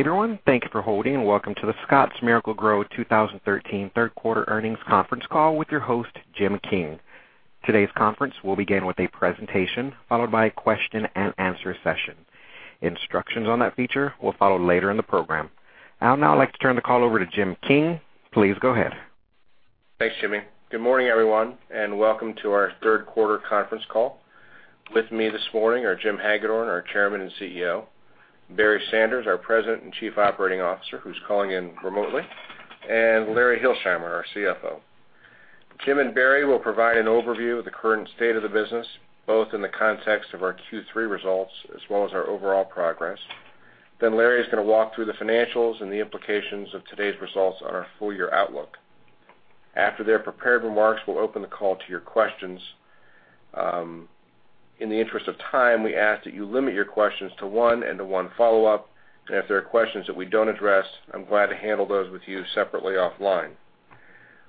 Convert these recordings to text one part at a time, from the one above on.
Good day, everyone. Thank you for holding, and welcome to the Scotts Miracle-Gro 2013 third quarter earnings conference call with your host, Jim King. Today's conference will begin with a presentation, followed by a question and answer session. Instructions on that feature will follow later in the program. I would now like to turn the call over to Jim King. Please go ahead. Thanks, Jimmy. Good morning, everyone, and welcome to our third quarter conference call. With me this morning are Jim Hagedorn, our Chairman and CEO; Barry Sanders, our President and Chief Operating Officer, who's calling in remotely; and Larry Hilsheimer, our CFO. Jim and Barry will provide an overview of the current state of the business, both in the context of our Q3 results as well as our overall progress. Larry's going to walk through the financials and the implications of today's results on our full year outlook. After their prepared remarks, we'll open the call to your questions. In the interest of time, we ask that you limit your questions to one and to one follow-up. If there are questions that we don't address, I'm glad to handle those with you separately offline.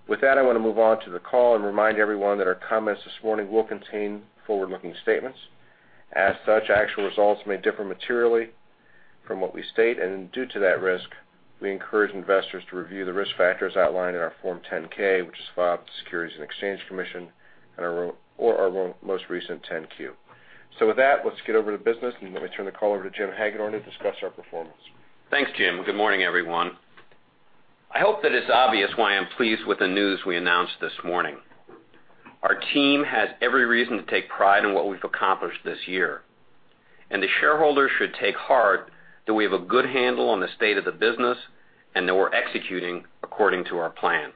With that, I want to move on to the call and remind everyone that our comments this morning will contain forward-looking statements. As such, actual results may differ materially from what we state. Due to that risk, we encourage investors to review the risk factors outlined in our Form 10-K, which is filed with the Securities and Exchange Commission or our most recent 10-Q. With that, let's get over to business, and let me turn the call over to Jim Hagedorn to discuss our performance. Thanks, Jim. Good morning, everyone. I hope that it's obvious why I'm pleased with the news we announced this morning. Our team has every reason to take pride in what we've accomplished this year, and the shareholders should take heart that we have a good handle on the state of the business and that we're executing according to our plan.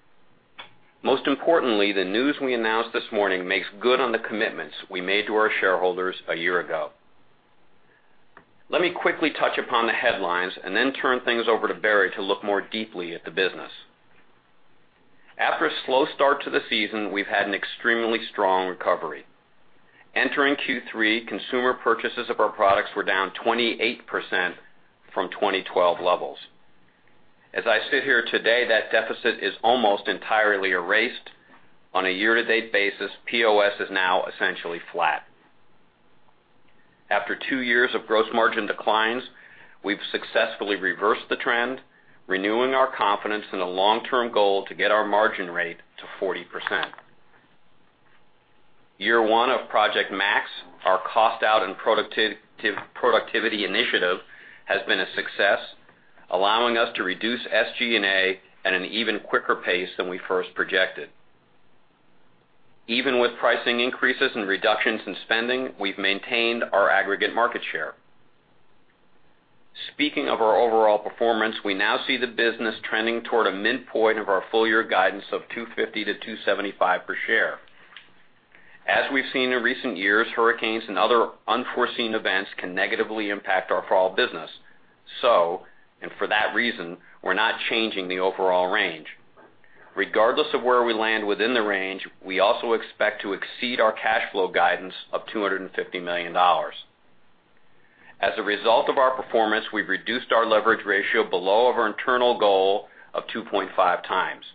Most importantly, the news we announced this morning makes good on the commitments we made to our shareholders a year ago. Let me quickly touch upon the headlines and then turn things over to Barry to look more deeply at the business. After a slow start to the season, we've had an extremely strong recovery. Entering Q3, consumer purchases of our products were down 28% from 2012 levels. As I sit here today, that deficit is almost entirely erased. On a year-to-date basis, POS is now essentially flat. After two years of gross margin declines, we've successfully reversed the trend, renewing our confidence in a long-term goal to get our margin rate to 40%. Year one of Project Max, our cost-out and productivity initiative, has been a success, allowing us to reduce SG&A at an even quicker pace than we first projected. Even with pricing increases and reductions in spending, we've maintained our aggregate market share. Speaking of our overall performance, we now see the business trending toward a midpoint of our full-year guidance of $250-$275 per share. As we've seen in recent years, hurricanes and other unforeseen events can negatively impact our fall business. For that reason, we're not changing the overall range. Regardless of where we land within the range, we also expect to exceed our cash flow guidance of $250 million. As a result of our performance, we've reduced our leverage ratio below our internal goal of 2.5 times.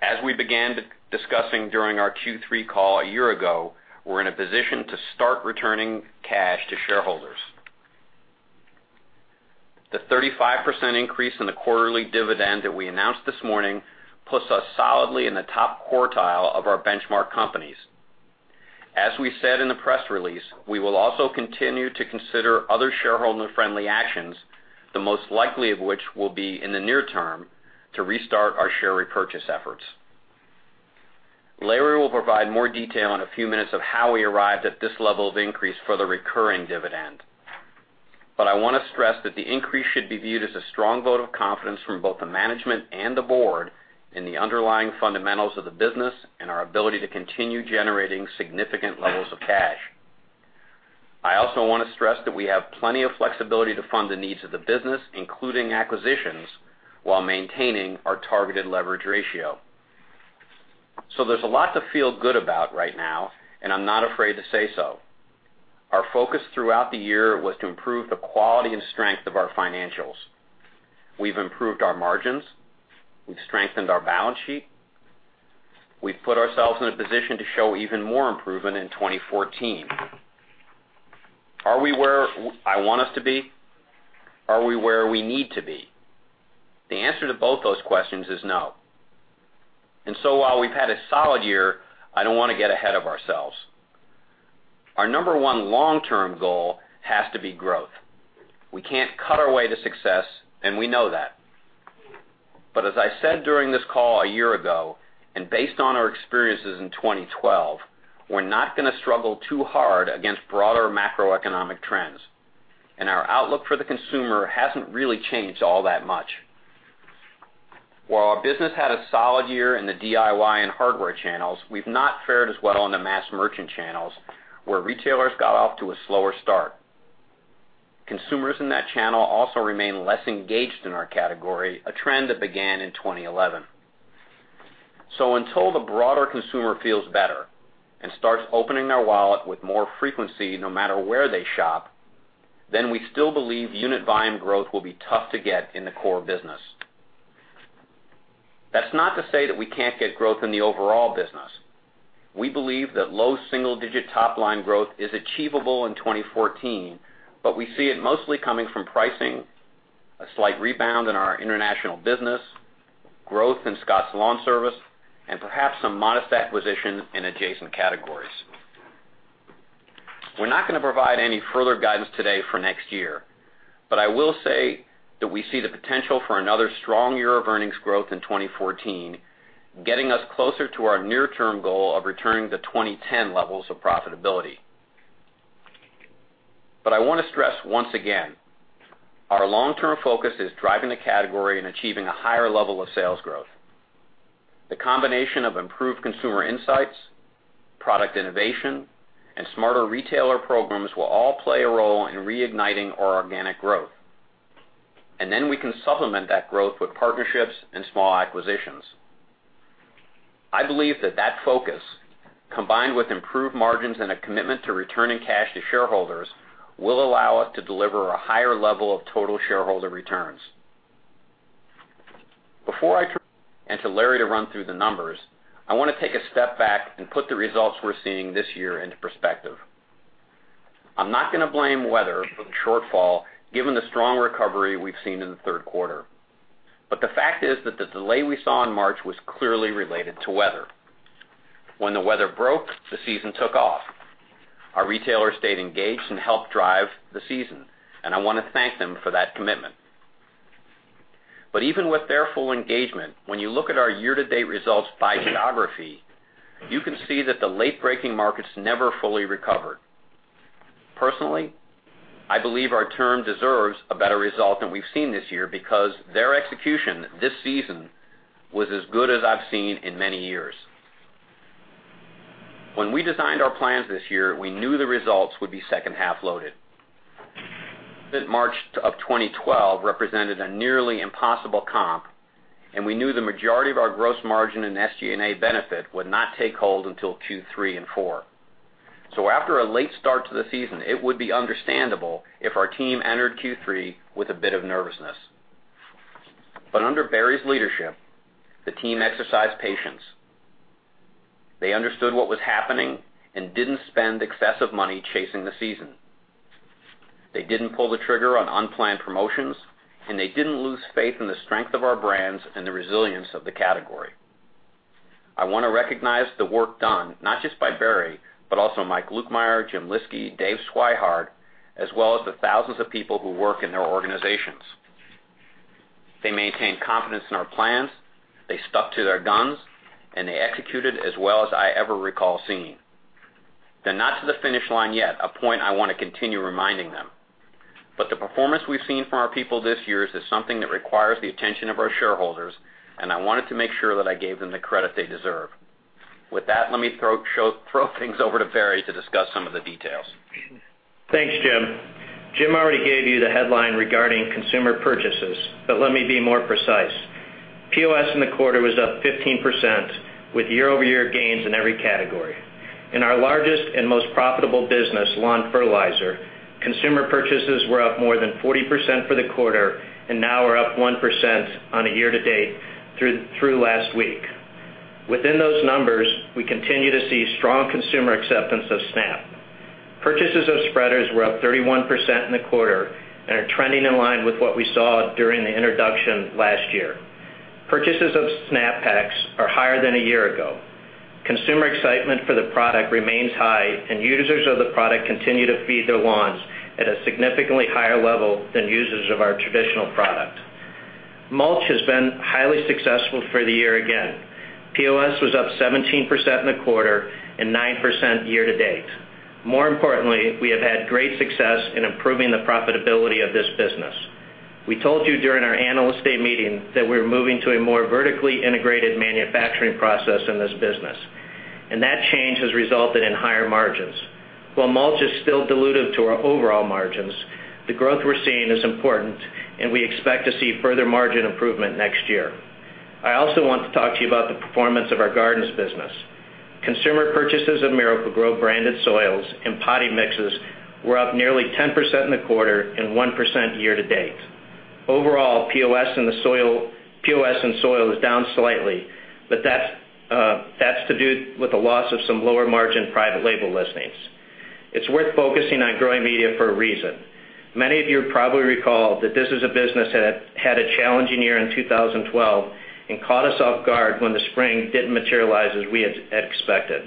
As we began discussing during our Q3 call a year ago, we're in a position to start returning cash to shareholders. The 35% increase in the quarterly dividend that we announced this morning puts us solidly in the top quartile of our benchmark companies. As we said in the press release, we will also continue to consider other shareholder-friendly actions, the most likely of which will be in the near term to restart our share repurchase efforts. Larry will provide more detail in a few minutes of how we arrived at this level of increase for the recurring dividend. I want to stress that the increase should be viewed as a strong vote of confidence from both the management and the board in the underlying fundamentals of the business and our ability to continue generating significant levels of cash. I also want to stress that we have plenty of flexibility to fund the needs of the business, including acquisitions, while maintaining our targeted leverage ratio. There's a lot to feel good about right now, and I'm not afraid to say so. Our focus throughout the year was to improve the quality and strength of our financials. We've improved our margins. We've strengthened our balance sheet. We've put ourselves in a position to show even more improvement in 2014. Are we where I want us to be? Are we where we need to be? The answer to both those questions is no. While we've had a solid year, I don't want to get ahead of ourselves. Our number 1 long-term goal has to be growth. We can't cut our way to success, and we know that. As I said during this call a year ago, and based on our experiences in 2012, we're not going to struggle too hard against broader macroeconomic trends. Our outlook for the consumer hasn't really changed all that much. While our business had a solid year in the DIY and hardware channels, we've not fared as well in the mass merchant channels, where retailers got off to a slower start. Consumers in that channel also remain less engaged in our category, a trend that began in 2011. Until the broader consumer feels better and starts opening their wallet with more frequency, no matter where they shop, then we still believe unit volume growth will be tough to get in the core business. That's not to say that we can't get growth in the overall business. We believe that low single-digit top-line growth is achievable in 2014, but we see it mostly coming from pricing, a slight rebound in our international business, growth in Scotts LawnService, and perhaps some modest acquisition in adjacent categories. We're not going to provide any further guidance today for next year, but I will say that we see the potential for another strong year of earnings growth in 2014, getting us closer to our near-term goal of returning to 2010 levels of profitability. I want to stress once again, our long-term focus is driving the category and achieving a higher level of sales growth. The combination of improved consumer insights, product innovation, and smarter retailer programs will all play a role in reigniting our organic growth. Then we can supplement that growth with partnerships and small acquisitions. I believe that that focus, combined with improved margins and a commitment to returning cash to shareholders, will allow us to deliver a higher level of total shareholder returns. Before I turn it to Larry to run through the numbers, I want to take a step back and put the results we're seeing this year into perspective. I'm not going to blame weather for the shortfall given the strong recovery we've seen in the third quarter. The fact is that the delay we saw in March was clearly related to weather. When the weather broke, the season took off. Our retailers stayed engaged and helped drive the season, and I want to thank them for that commitment. Even with their full engagement, when you look at our year-to-date results by geography, you can see that the late-breaking markets never fully recovered. Personally, I believe our team deserves a better result than we've seen this year because their execution this season was as good as I've seen in many years. When we designed our plans this year, we knew the results would be second-half loaded, that March of 2012 represented a nearly impossible comp, and we knew the majority of our gross margin and SG&A benefit would not take hold until Q3 and Q4. After a late start to the season, it would be understandable if our team entered Q3 with a bit of nervousness. Under Barry's leadership, the team exercised patience. They understood what was happening and didn't spend excessive money chasing the season. They didn't pull the trigger on unplanned promotions, and they didn't lose faith in the strength of our brands and the resilience of the category. I want to recognize the work done not just by Barry, but also Mike Lukemire, Jim Lyski, Dave Swihart, as well as the thousands of people who work in their organizations. They maintained confidence in our plans, they stuck to their guns, and they executed as well as I ever recall seeing. They're not to the finish line yet, a point I want to continue reminding them. The performance we've seen from our people this year is something that requires the attention of our shareholders, and I wanted to make sure that I gave them the credit they deserve. With that, let me throw things over to Barry to discuss some of the details. Thanks, Jim. Jim already gave you the headline regarding consumer purchases. Let me be more precise. POS in the quarter was up 15%, with year-over-year gains in every category. In our largest and most profitable business, lawn fertilizer, consumer purchases were up more than 40% for the quarter and now are up 1% on a year-to-date through last week. Within those numbers, we continue to see strong consumer acceptance of Snap. Purchases of spreaders were up 31% in the quarter and are trending in line with what we saw during the introduction last year. Purchases of Snap Pacs are higher than a year ago. Consumer excitement for the product remains high, and users of the product continue to feed their lawns at a significantly higher level than users of our traditional product. Mulch has been highly successful for the year again. POS was up 17% in the quarter and 9% year-to-date. More importantly, we have had great success in improving the profitability of this business. We told you during our Analyst Day meeting that we were moving to a more vertically integrated manufacturing process in this business, and that change has resulted in higher margins. While mulch is still dilutive to our overall margins, the growth we're seeing is important, and we expect to see further margin improvement next year. I also want to talk to you about the performance of our gardens business. Consumer purchases of Miracle-Gro branded soils and potting mixes were up nearly 10% in the quarter and 1% year-to-date. Overall, POS in soils is down slightly, that's to do with the loss of some lower-margin private label listings. It's worth focusing on growing media for a reason. Many of you probably recall that this is a business that had a challenging year in 2012 and caught us off guard when the spring didn't materialize as we had expected.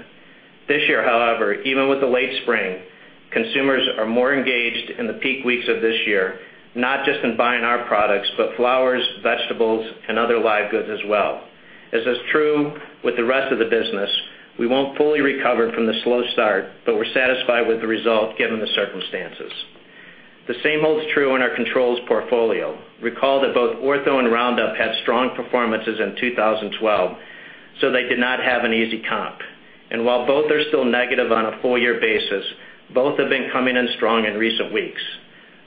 This year, however, even with the late spring, consumers are more engaged in the peak weeks of this year, not just in buying our products, but flowers, vegetables, and other live goods as well. As is true with the rest of the business, we won't fully recover from the slow start, but we're satisfied with the result given the circumstances. The same holds true in our controls portfolio. Recall that both Ortho and Roundup had strong performances in 2012. They did not have an easy comp. While both are still negative on a full-year basis, both have been coming in strong in recent weeks.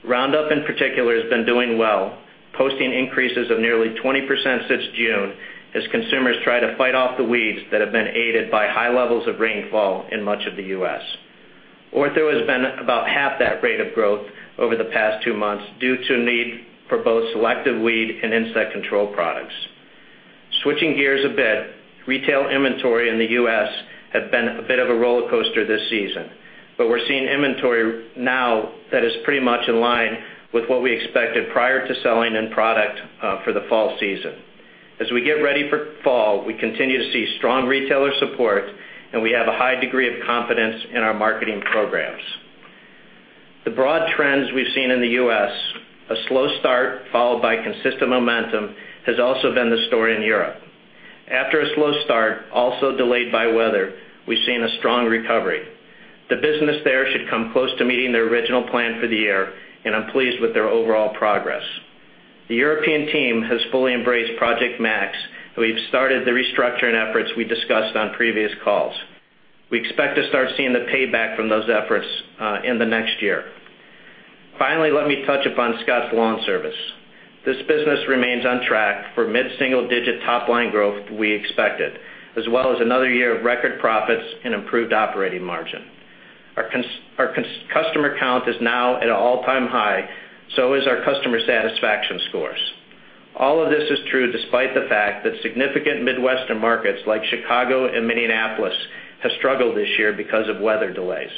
Roundup in particular has been doing well, posting increases of nearly 20% since June as consumers try to fight off the weeds that have been aided by high levels of rainfall in much of the U.S. Ortho has been about half that rate of growth over the past two months due to need for both selective weed and insect control products. Switching gears a bit, retail inventory in the U.S. has been a bit of a roller coaster this season, but we're seeing inventory now that is pretty much in line with what we expected prior to selling end product for the fall season. As we get ready for fall, we continue to see strong retailer support, and we have a high degree of confidence in our marketing programs. The broad trends we've seen in the U.S., a slow start followed by consistent momentum, has also been the story in Europe. After a slow start, also delayed by weather, we've seen a strong recovery. The business there should come close to meeting their original plan for the year, and I'm pleased with their overall progress. The European team has fully embraced Project Max, and we've started the restructuring efforts we discussed on previous calls. We expect to start seeing the payback from those efforts in the next year. Finally, let me touch upon Scotts LawnService. This business remains on track for mid-single-digit top-line growth we expected, as well as another year of record profits and improved operating margin. Our customer count is now at an all-time high, so is our customer satisfaction scores. All of this is true despite the fact that significant Midwestern markets like Chicago and Minneapolis have struggled this year because of weather delays.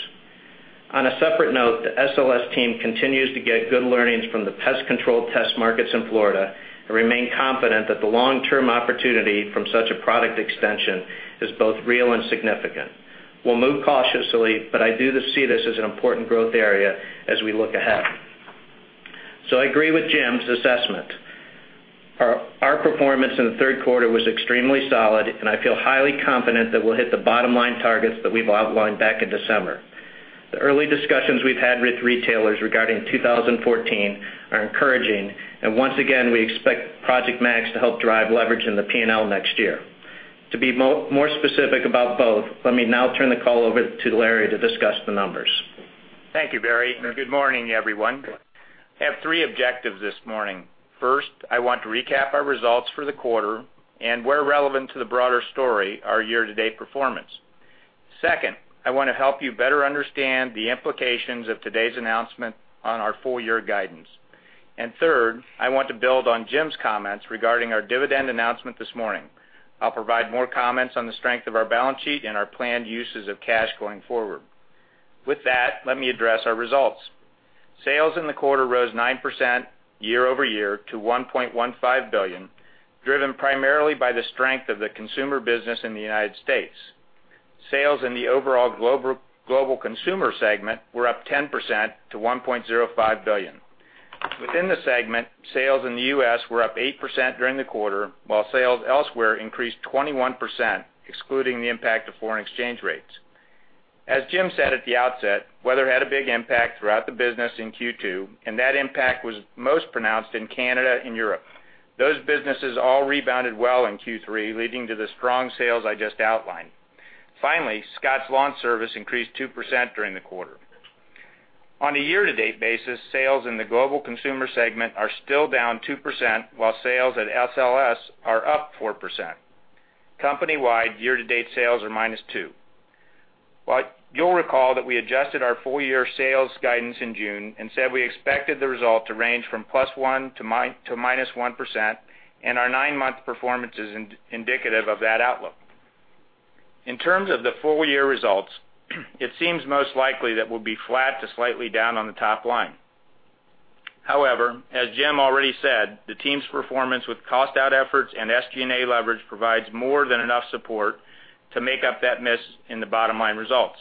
On a separate note, the SLS team continues to get good learnings from the pest control test markets in Florida and remain confident that the long-term opportunity from such a product extension is both real and significant. We'll move cautiously, but I do see this as an important growth area as we look ahead. I agree with Jim's assessment. Our performance in the third quarter was extremely solid, and I feel highly confident that we'll hit the bottom-line targets that we've outlined back in December. The early discussions we've had with retailers regarding 2014 are encouraging, and once again, we expect Project Max to help drive leverage in the P&L next year. To be more specific about both, let me now turn the call over to Larry to discuss the numbers. Thank you, Barry, and good morning, everyone. I have three objectives this morning. First, I want to recap our results for the quarter and where relevant to the broader story, our year-to-date performance. Second, I want to help you better understand the implications of today's announcement on our full-year guidance. Third, I want to build on Jim's comments regarding our dividend announcement this morning. I'll provide more comments on the strength of our balance sheet and our planned uses of cash going forward. With that, let me address our results. Sales in the quarter rose 9% year-over-year to $1.15 billion, driven primarily by the strength of the consumer business in the United States. Sales in the overall global consumer segment were up 10% to $1.05 billion. Within the segment, sales in the U.S. were up 8% during the quarter, while sales elsewhere increased 21%, excluding the impact of foreign exchange rates. As Jim said at the outset, weather had a big impact throughout the business in Q2, and that impact was most pronounced in Canada and Europe. Those businesses all rebounded well in Q3, leading to the strong sales I just outlined. Finally, Scotts LawnService increased 2% during the quarter. On a year-to-date basis, sales in the global consumer segment are still down 2%, while sales at SLS are up 4%. Company-wide year-to-date sales are -2%. You'll recall that we adjusted our full-year sales guidance in June and said we expected the result to range from +1% to -1%. Our nine-month performance is indicative of that outlook. In terms of the full-year results, it seems most likely that we'll be flat to slightly down on the top line. As Jim already said, the team's performance with cost-out efforts and SG&A leverage provides more than enough support to make up that miss in the bottom-line results.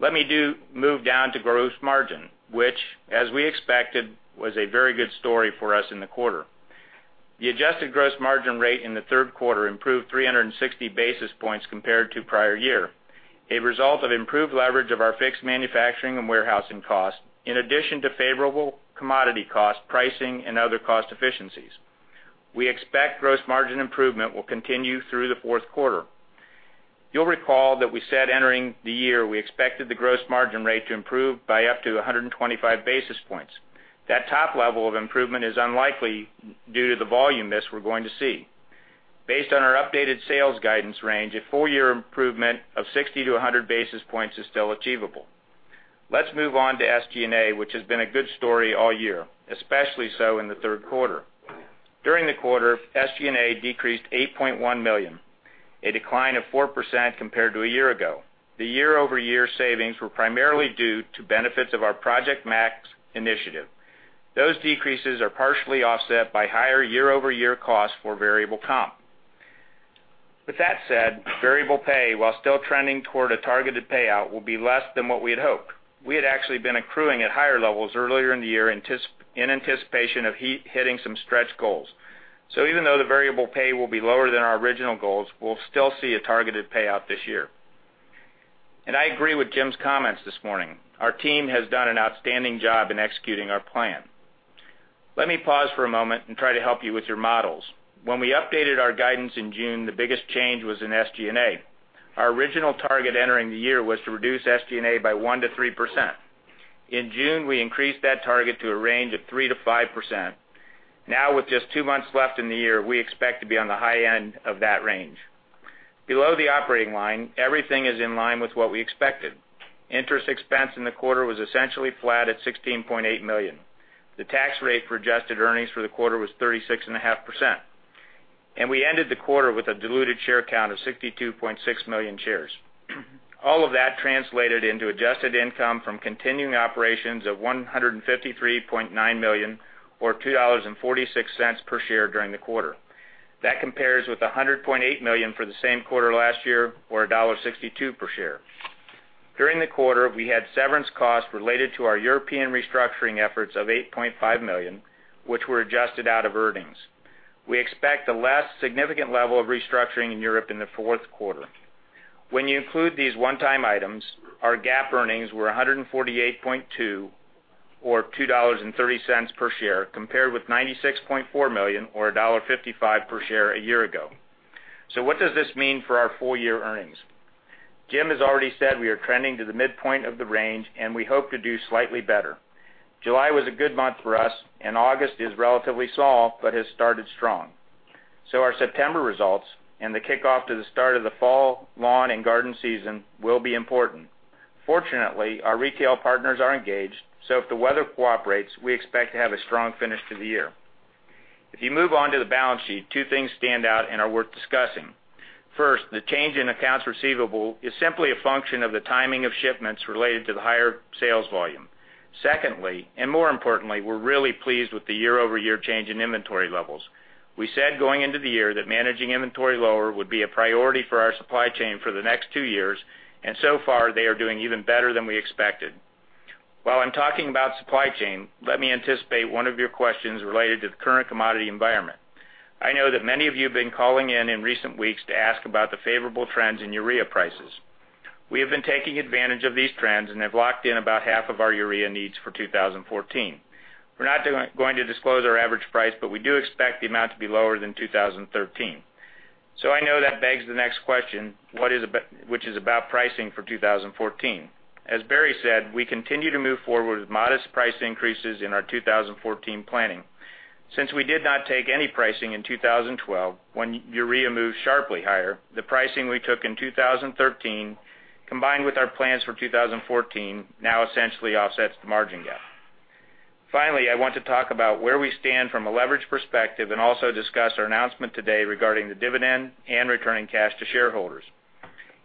Let me move down to gross margin, which, as we expected, was a very good story for us in the quarter. The adjusted gross margin rate in the third quarter improved 360 basis points compared to prior year, a result of improved leverage of our fixed manufacturing and warehousing costs, in addition to favorable commodity costs, pricing, and other cost efficiencies. We expect gross margin improvement will continue through the fourth quarter. You'll recall that we said entering the year, we expected the gross margin rate to improve by up to 125 basis points. That top level of improvement is unlikely due to the volume miss we're going to see. Based on our updated sales guidance range, a full-year improvement of 60 to 100 basis points is still achievable. Let's move on to SG&A, which has been a good story all year, especially so in the third quarter. During the quarter, SG&A decreased to $8.1 million, a decline of 4% compared to a year ago. The year-over-year savings were primarily due to benefits of our Project Max initiative. Those decreases are partially offset by higher year-over-year costs for variable comp. With that said, variable pay, while still trending toward a targeted payout, will be less than what we had hoped. We had actually been accruing at higher levels earlier in the year in anticipation of hitting some stretch goals. Even though the variable pay will be lower than our original goals, we'll still see a targeted payout this year. I agree with Jim's comments this morning. Our team has done an outstanding job in executing our plan. Let me pause for a moment and try to help you with your models. When we updated our guidance in June, the biggest change was in SG&A. Our original target entering the year was to reduce SG&A by 1%-3%. In June, we increased that target to a range of 3%-5%. With just two months left in the year, we expect to be on the high end of that range. Below the operating line, everything is in line with what we expected. Interest expense in the quarter was essentially flat at $16.8 million. The tax rate for adjusted earnings for the quarter was 36.5%, and we ended the quarter with a diluted share count of 62.6 million shares. All of that translated into adjusted income from continuing operations of $153.9 million or $2.46 per share during the quarter. That compares with $100.8 million for the same quarter last year or $1.62 per share. During the quarter, we had severance costs related to our European restructuring efforts of $8.5 million, which were adjusted out of earnings. We expect a less significant level of restructuring in Europe in the fourth quarter. When you include these one-time items, our GAAP earnings were $148.2 million or $2.30 per share, compared with $96.4 million or $1.55 per share a year ago. What does this mean for our full-year earnings? Jim has already said we are trending to the midpoint of the range, and we hope to do slightly better. July was a good month for us, and August is relatively soft but has started strong. Our September results and the kickoff to the start of the fall lawn and garden season will be important. Fortunately, our retail partners are engaged, so if the weather cooperates, we expect to have a strong finish to the year. If you move on to the balance sheet, two things stand out and are worth discussing. First, the change in accounts receivable is simply a function of the timing of shipments related to the higher sales volume. Secondly, and more importantly, we're really pleased with the year-over-year change in inventory levels. We said going into the year that managing inventory lower would be a priority for our supply chain for the next two years, and so far, they are doing even better than we expected. While I'm talking about supply chain, let me anticipate one of your questions related to the current commodity environment. I know that many of you have been calling in in recent weeks to ask about the favorable trends in urea prices. We have been taking advantage of these trends and have locked in about half of our urea needs for 2014. We're not going to disclose our average price, but we do expect the amount to be lower than 2013. I know that begs the next question, which is about pricing for 2014. As Barry said, we continue to move forward with modest price increases in our 2014 planning. Since we did not take any pricing in 2012 when urea moved sharply higher, the pricing we took in 2013, combined with our plans for 2014, now essentially offsets the margin gap. Finally, I want to talk about where we stand from a leverage perspective and also discuss our announcement today regarding the dividend and returning cash to shareholders.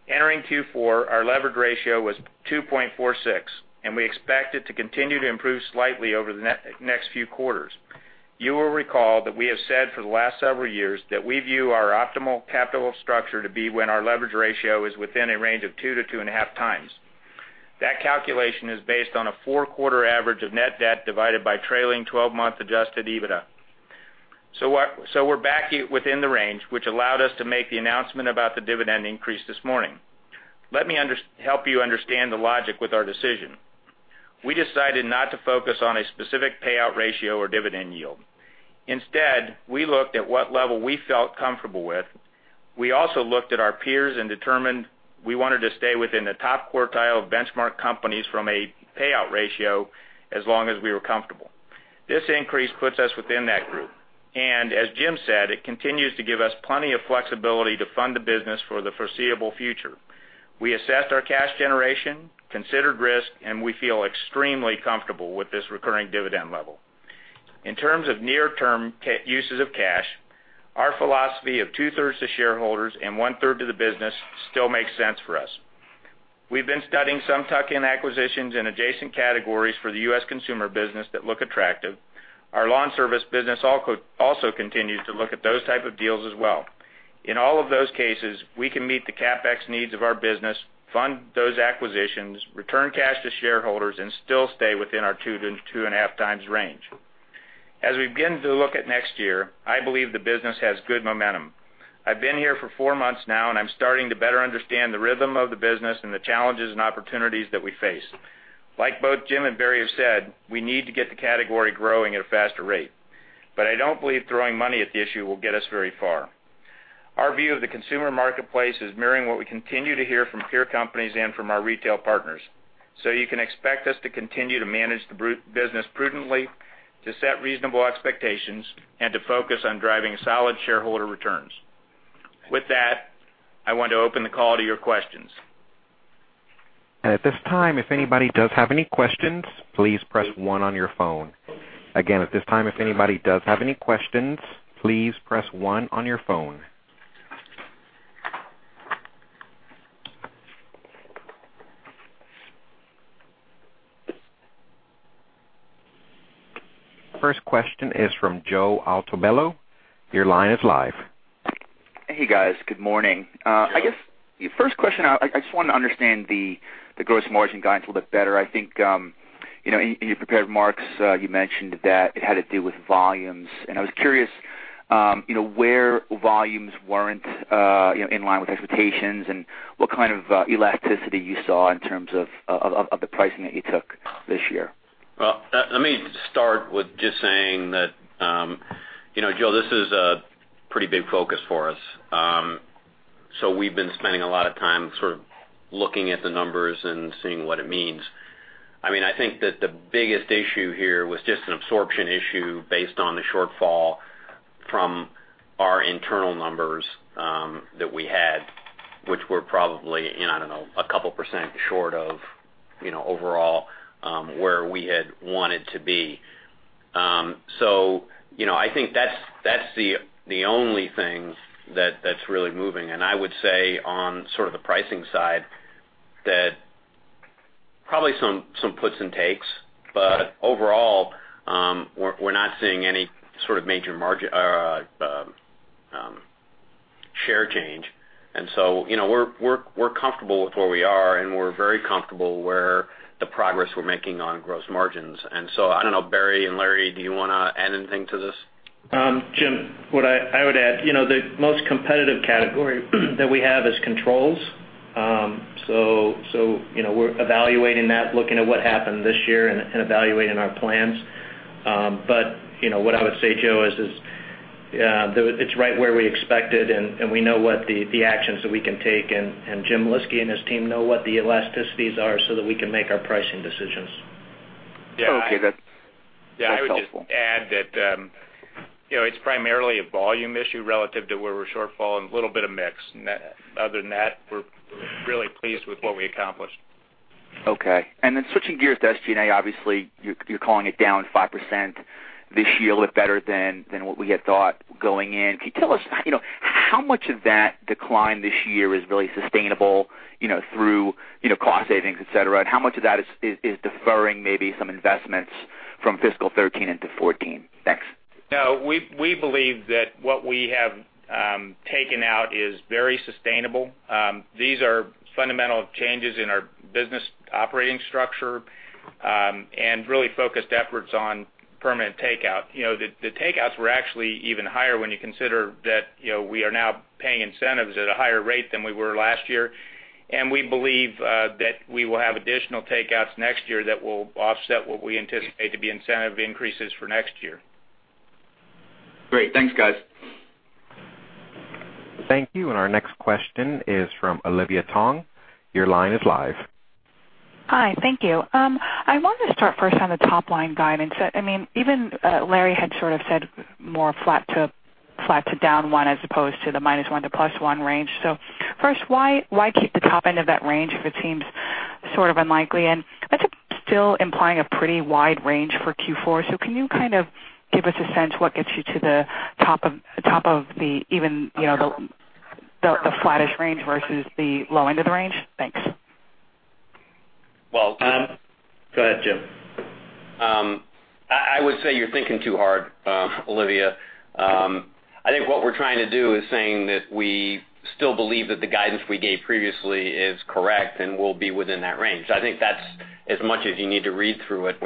Entering Q4, our leverage ratio was 2.46, and we expect it to continue to improve slightly over the next few quarters. You will recall that we have said for the last several years that we view our optimal capital structure to be when our leverage ratio is within a range of 2-2.5 times. That calculation is based on a four-quarter average of net debt divided by trailing 12-month adjusted EBITDA. We're back within the range, which allowed us to make the announcement about the dividend increase this morning. Let me help you understand the logic with our decision. We decided not to focus on a specific payout ratio or dividend yield. Instead, we looked at what level we felt comfortable with. We also looked at our peers and determined we wanted to stay within the top quartile of benchmark companies from a payout ratio, as long as we were comfortable. This increase puts us within that group. As Jim said, it continues to give us plenty of flexibility to fund the business for the foreseeable future. We assessed our cash generation, considered risk, and we feel extremely comfortable with this recurring dividend level. In terms of near-term uses of cash, our philosophy of two-thirds to shareholders and one-third to the business still makes sense for us. We've been studying some tuck-in acquisitions in adjacent categories for the U.S. consumer business that look attractive. Our lawn service business also continues to look at those type of deals as well. In all of those cases, we can meet the CapEx needs of our business, fund those acquisitions, return cash to shareholders, and still stay within our 2-2.5 times range. We begin to look at next year, I believe the business has good momentum. I've been here for four months now, and I'm starting to better understand the rhythm of the business and the challenges and opportunities that we face. Like both Jim and Barry have said, we need to get the category growing at a faster rate. I don't believe throwing money at the issue will get us very far. Our view of the consumer marketplace is mirroring what we continue to hear from peer companies and from our retail partners. You can expect us to continue to manage the business prudently, to set reasonable expectations, and to focus on driving solid shareholder returns. With that, I want to open the call to your questions. At this time, if anybody does have any questions, please press 1 on your phone. Again, at this time, if anybody does have any questions, please press 1 on your phone. First question is from Joseph Altobello. Your line is live. Sure. First question, I just wanted to understand the gross margin guidance a little bit better. In your prepared remarks, you mentioned that it had to do with volumes, I was curious where volumes weren't in line with expectations and what kind of elasticity you saw in terms of the pricing that you took this year. Let me start with just saying that Joe, this is a pretty big focus for us. We've been spending a lot of time sort of looking at the numbers and seeing what it means. The biggest issue here was just an absorption issue based on the shortfall from our internal numbers that we had, which were probably, I don't know, a couple of percent short of overall, where we had wanted to be. That's the only thing that's really moving. I would say on sort of the pricing side, that probably some puts and takes. Overall, we're not seeing any sort of major share change. We're comfortable with where we are, and we're very comfortable where the progress we're making on gross margins. I don't know, Barry and Larry, do you want to add anything to this? Jim, what I would add, the most competitive category that we have is controls. We're evaluating that, looking at what happened this year and evaluating our plans. What I would say, Joe, is it's right where we expected, and we know what the actions that we can take, and Jim Lyski and his team know what the elasticities are so that we can make our pricing decisions. Yeah. Okay. That's helpful. Yeah. I would just add that it's primarily a volume issue relative to where we're short falling, a little bit of mix. Other than that, we're really pleased with what we accomplished. Okay. Switching gears to SG&A, obviously, you're calling it down 5% this year, look better than what we had thought going in. Can you tell us how much of that decline this year is really sustainable through cost savings, et cetera? How much of that is deferring maybe some investments from fiscal 2013 into 2014? Thanks. No. We believe that what we have taken out is very sustainable. These are fundamental changes in our business operating structure, really focused efforts on permanent takeout. The takeouts were actually even higher when you consider that we are now paying incentives at a higher rate than we were last year. We believe that we will have additional takeouts next year that will offset what we anticipate to be incentive increases for next year. Great. Thanks, guys. Thank you. Our next question is from Olivia Tong. Your line is live. Hi. Thank you. I wanted to start first on the top-line guidance. Even Larry had sort of said more flat to down 1 as opposed to the -1 to +1 range. First, why keep the top end of that range if it seems sort of unlikely? That's still implying a pretty wide range for Q4. Can you kind of give us a sense what gets you to the top of the flattest range versus the low end of the range? Thanks. Well- Go ahead, Jim. I would say you're thinking too hard, Olivia. I think what we're trying to do is saying that we still believe that the guidance we gave previously is correct and will be within that range. I think that's as much as you need to read through it.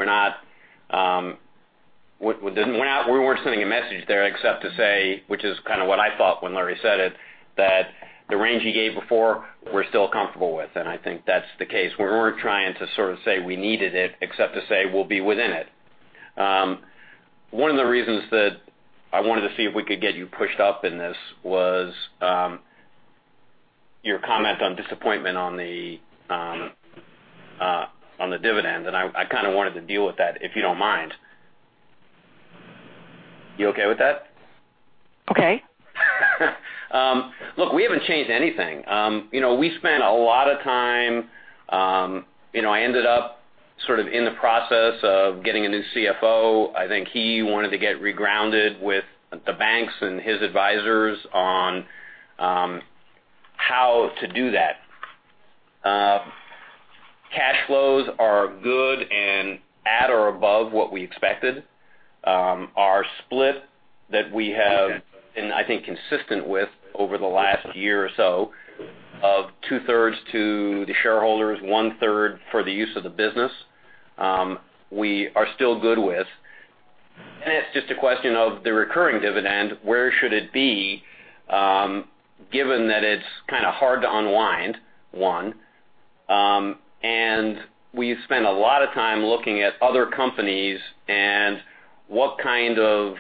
We weren't sending a message there except to say, which is kind of what I thought when Larry said it, that the range he gave before, we're still comfortable with, and I think that's the case. We weren't trying to sort of say we needed it, except to say we'll be within it. One of the reasons that I wanted to see if we could get you pushed up in this was your comment on disappointment on the dividend, and I kind of wanted to deal with that, if you don't mind. You okay with that? Okay. Look, we haven't changed anything. We spent a lot of time. I ended up sort of in the process of getting a new CFO. I think he wanted to get regrounded with the banks and his advisors on how to do that. Cash flows are good and at or above what we expected. Our split that we have, and I think consistent with over the last year or so, of two-thirds to the shareholders, one-third for the use of the business, we are still good with. It's just a question of the recurring dividend, where should it be given that it's kind of hard to unwind, one. We've spent a lot of time looking at other companies and what kind of,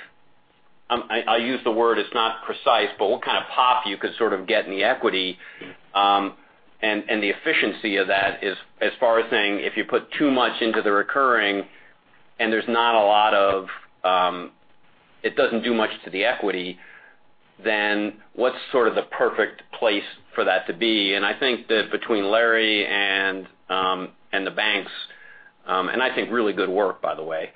I'll use the word, it's not precise, but what kind of pop you could sort of get in the equity, and the efficiency of that as far as saying, if you put too much into the recurring and it doesn't do much to the equity, then what's sort of the perfect place for that to be? I think that between Larry and the banks, and I think really good work, by the way,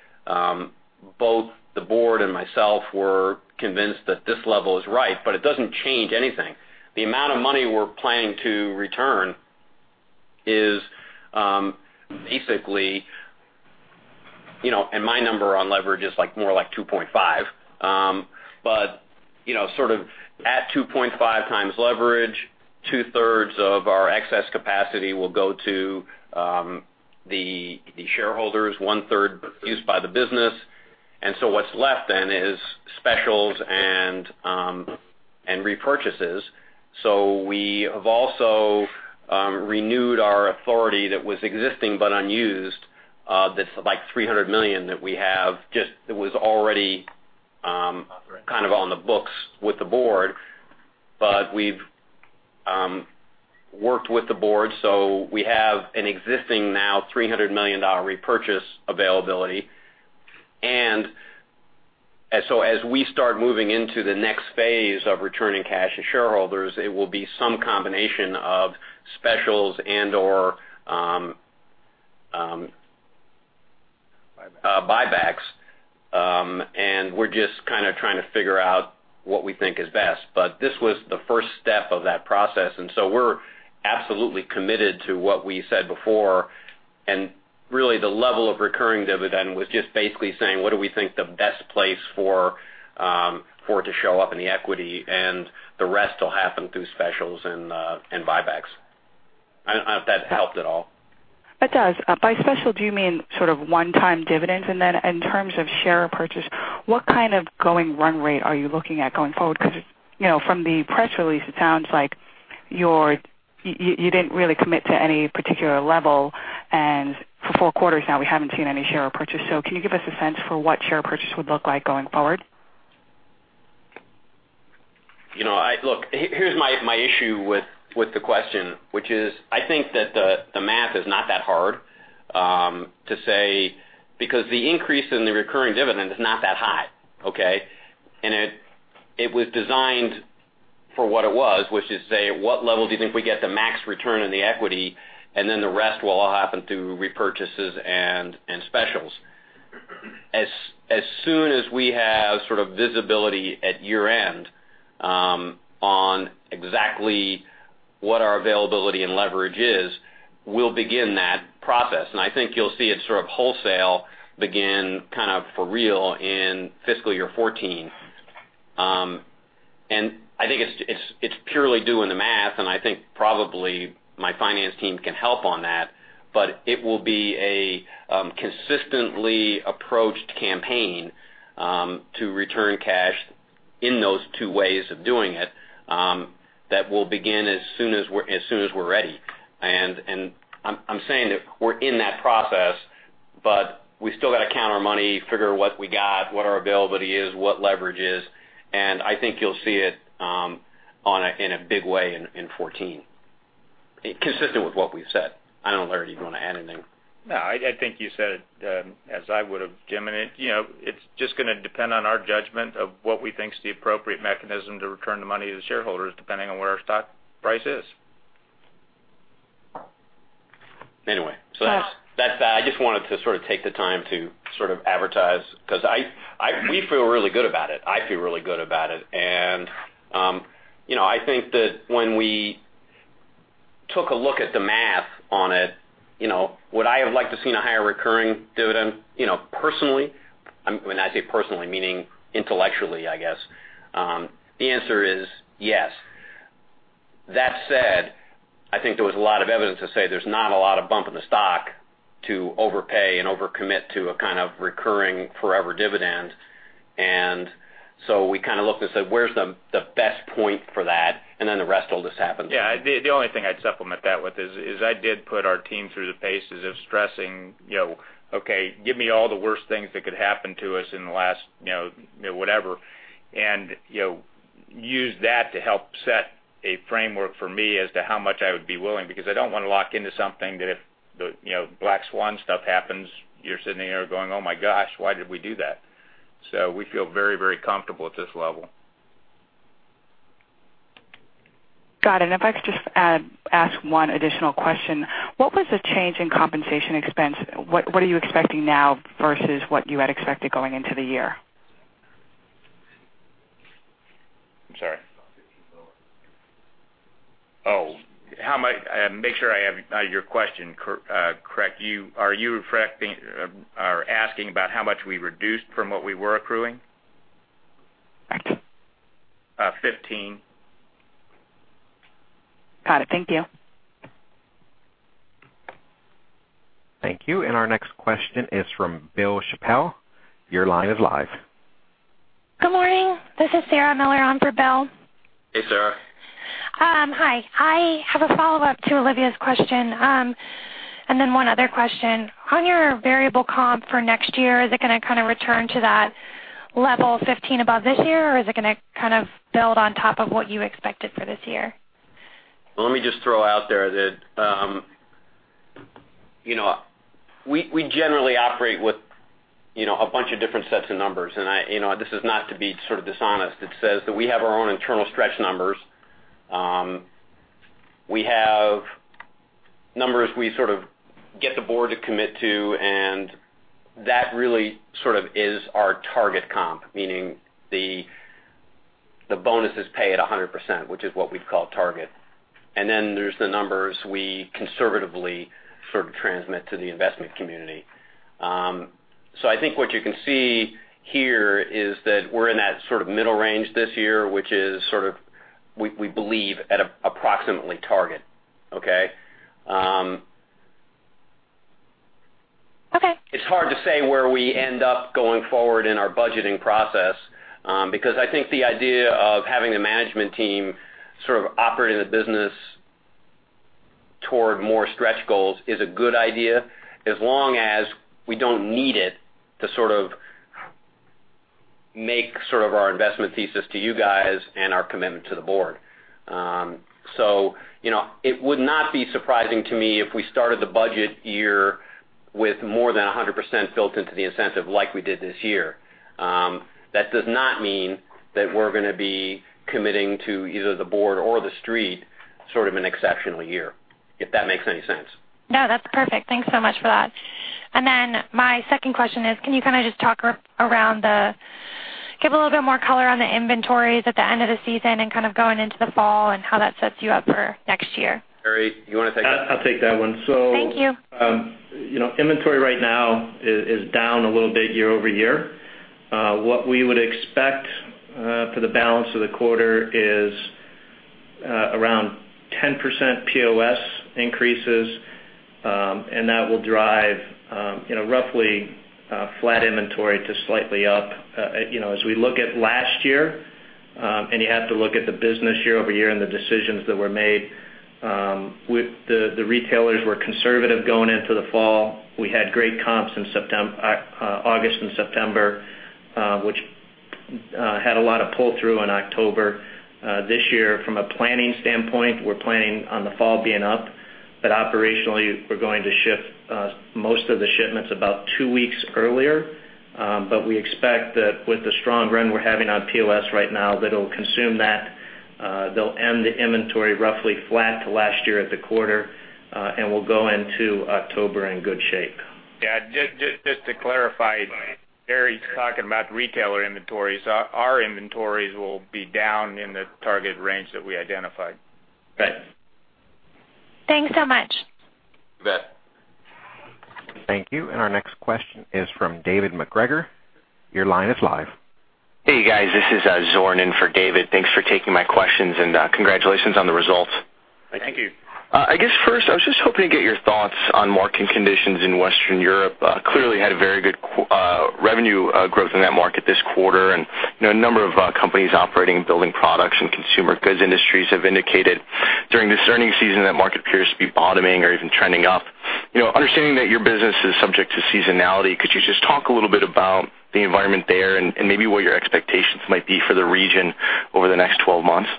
both the board and myself were convinced that this level is right, but it doesn't change anything. The amount of money we're planning to return is basically, and my number on leverage is more like 2.5. Sort of at 2.5 times leverage, two-thirds of our excess capacity will go to the shareholders, one-third used by the business. What's left then is specials and repurchases. We have also renewed our authority that was existing but unused, that's like $300 million that we have, just that was already Kind of on the books with the board, but we've worked with the board, so we have an existing $300 million repurchase availability. As we start moving into the next phase of returning cash to shareholders, it will be some combination of specials. Buybacks buybacks. We're just trying to figure out what we think is best. This was the first step of that process, and so we're absolutely committed to what we said before. Really, the level of recurring dividend was just basically saying, what do we think the best place for it to show up in the equity, and the rest will happen through specials and buybacks. I don't know if that helped at all. It does. By special, do you mean sort of one-time dividends? Then in terms of share purchase, what kind of going run rate are you looking at going forward? Because from the press release, it sounds like you didn't really commit to any particular level, and for four quarters now, we haven't seen any share purchase. Can you give us a sense for what share purchase would look like going forward? Look, here's my issue with the question, which is, I think that the math is not that hard to say, because the increase in the recurring dividend is not that high, okay? It was designed for what it was, which is, say, at what level do you think we get the max return on the equity, and then the rest will all happen through repurchases and specials. As soon as we have sort of visibility at year-end on exactly what our availability and leverage is, we'll begin that process. I think you'll see it sort of wholesale begin kind of for real in fiscal year 2014. I think it's purely doing the math, and I think probably my finance team can help on that, but it will be a consistently approached campaign to return cash in those two ways of doing it that will begin as soon as we're ready. I'm saying that we're in that process, but we still got to count our money, figure what we got, what our availability is, what leverage is, and I think you'll see it in a big way in 2014, consistent with what we've said. I don't know, Larry, if you want to add anything. No, I think you said it as I would've, Jim, and it's just going to depend on our judgment of what we think is the appropriate mechanism to return the money to the shareholders, depending on where our stock price is. Anyway, I just wanted to take the time to sort of advertise, because we feel really good about it. I feel really good about it. I think that when we took a look at the math on it, would I have liked to seen a higher recurring dividend? Personally, when I say personally, meaning intellectually, I guess, the answer is yes. That said, I think there was a lot of evidence to say there's not a lot of bump in the stock to overpay and over-commit to a kind of recurring forever dividend. We kind of looked and said, "Where's the best point for that?" The rest will just happen. Yeah, the only thing I'd supplement that with is I did put our team through the paces of stressing, okay, give me all the worst things that could happen to us in the last whatever, and use that to help set a framework for me as to how much I would be willing, because I don't want to lock into something that if the black swan stuff happens, you're sitting there going, "Oh my gosh, why did we do that?" We feel very comfortable at this level. Got it. If I could just ask one additional question. What was the change in compensation expense? What are you expecting now versus what you had expected going into the year? I'm sorry. Oh, make sure I have your question correct. Are you asking about how much we reduced from what we were accruing? I think. Fifteen. Got it. Thank you. Thank you. Our next question is from Bill Chappell. Your line is live. Good morning. This is Sarah Miller on for Bill. Hey, Sarah. Hi. I have a follow-up to Olivia's question and then one other question. On your variable comp for next year, is it going to kind of return to that level 15 above this year, or is it going to kind of build on top of what you expected for this year? Let me just throw out there that we generally operate with a bunch of different sets of numbers. This is not to be sort of dishonest. It says that we have our own internal stretch numbers. We have numbers we sort of get the board to commit to. That really sort of is our target comp, meaning the bonuses pay at 100%, which is what we'd call target. There's the numbers we conservatively sort of transmit to the investment community. I think what you can see here is that we're in that sort of middle range this year, which is sort of, we believe, at approximately target. Okay? Okay. It's hard to say where we end up going forward in our budgeting process because I think the idea of having a management team sort of operating the business toward more stretch goals is a good idea, as long as we don't need it to make our investment thesis to you guys and our commitment to the board. It would not be surprising to me if we started the budget year with more than 100% built into the incentive like we did this year. That does not mean that we're going to be committing to either the board or the street, an exceptional year, if that makes any sense. No, that's perfect. Thanks so much for that. My second question is, can you just give a little bit more color on the inventories at the end of the season and going into the fall and how that sets you up for next year? Barry, you want to take that? I'll take that one. Thank you. Inventory right now is down a little bit year-over-year. What we would expect for the balance of the quarter is around 10% POS increases, and that will drive roughly flat inventory to slightly up. As we look at last year, and you have to look at the business year-over-year and the decisions that were made. The retailers were conservative going into the fall. We had great comps in August and September, which had a lot of pull-through in October. This year, from a planning standpoint, we're planning on the fall being up, but operationally, we're going to ship most of the shipments about two weeks earlier. We expect that with the strong run we're having on POS right now, that'll consume that. They'll end the inventory roughly flat to last year at the quarter, and we'll go into October in good shape. Yeah, just to clarify, Barry's talking about retailer inventories. Our inventories will be down in the target range that we identified. Right. Thanks so much. You bet. Thank you. Our next question is from David MacGregor. Your line is live. Hey, guys, this is Zorn in for David. Thanks for taking my questions, congratulations on the results. Thank you. I guess first, I was just hoping to get your thoughts on market conditions in Western Europe. Clearly had a very good revenue growth in that market this quarter. A number of companies operating and building products and consumer goods industries have indicated during this earnings season that market appears to be bottoming or even trending up. Understanding that your business is subject to seasonality, could you just talk a little bit about the environment there and maybe what your expectations might be for the region over the next 12 months?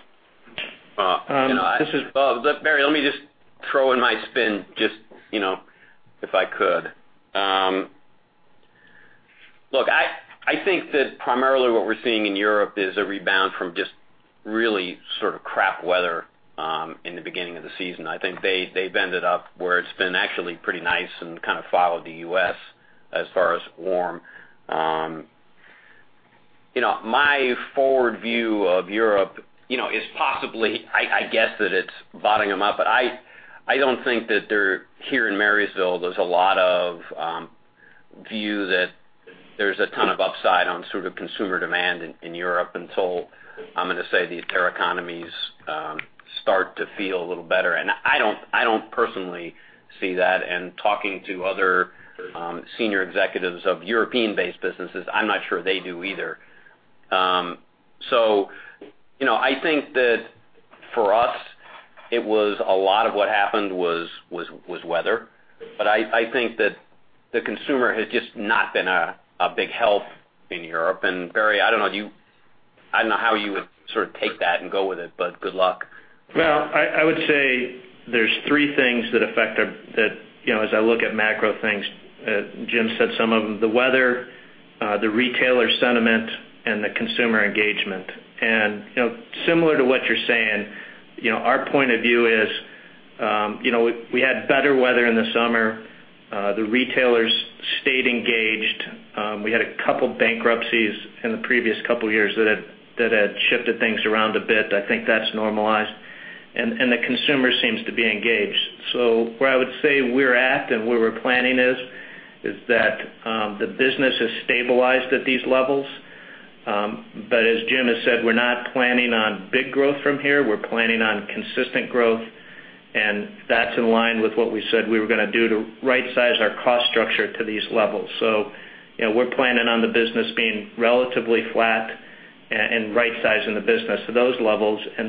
Barry, let me just throw in my spin, if I could. Look, I think that primarily what we're seeing in Europe is a rebound from just really crap weather in the beginning of the season. I think they've ended up where it's been actually pretty nice and followed the U.S. as far as warm. My forward view of Europe is possibly, I guess that it's bottoming up, but I don't think that here in Marysville, there's a lot of view that there's a ton of upside on consumer demand in Europe until, I'm going to say, the entire economies start to feel a little better. I don't personally see that, and talking to other senior executives of European-based businesses, I'm not sure they do either. I think that for us, a lot of what happened was weather. I think that the consumer has just not been a big help in Europe. Barry, I don't know how you would take that and go with it, but good luck. I would say there's three things that affect, as I look at macro things, Jim said some of them, the weather, the retailer sentiment, and the consumer engagement. Similar to what you're saying, our point of view is, we had better weather in the summer. The retailers stayed engaged. We had a couple bankruptcies in the previous couple of years that had shifted things around a bit. I think that's normalized. The consumer seems to be engaged. Where I would say we're at and where we're planning is that the business has stabilized at these levels. As Jim has said, we're not planning on big growth from here. We're planning on consistent growth, and that's in line with what we said we were going to do to right-size our cost structure to these levels. We're planning on the business being relatively flat and right-sizing the business to those levels. As